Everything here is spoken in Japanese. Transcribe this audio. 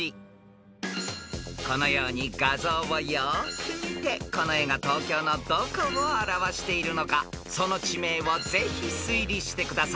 ［このように画像をよく見てこの絵が東京のどこを表しているのかその地名をぜひ推理してください］